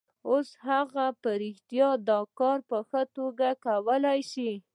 اوس هغه په رښتیا دا کار په ښه توګه کولای شي